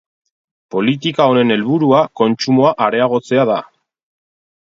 Politika honen helburua kontsumoa areagotzea da.